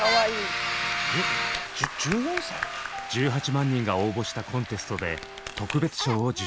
１８万人が応募したコンテストで特別賞を受賞。